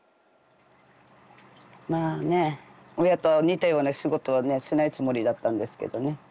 まあね親と似たような仕事はしないつもりだったんですけどね